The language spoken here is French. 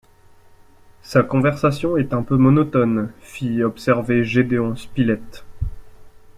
Sa conversation est un peu monotone, fit observer Gédéon Spilett